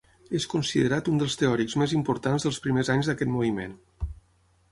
És considerat un dels teòrics més importants dels primers anys d'aquest moviment.